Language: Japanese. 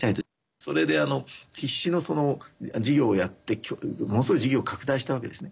それで、必死の事業をやってものすごい事業を拡大したわけですね。